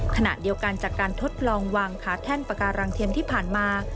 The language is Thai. ขณะเดียวกันจากการทดลองวางขาแท่นปาการังเทียมที่ผ่านมา